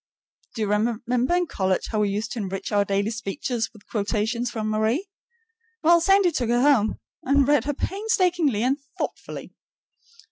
Do you remember in college how we used to enrich our daily speech with quotations from Marie? Well, Sandy took her home and read her painstakingly and thoughtfully.